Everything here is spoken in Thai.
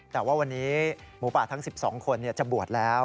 แต่ว่าวันนี้หมูป่าทั้ง๑๒คนจะบวชแล้ว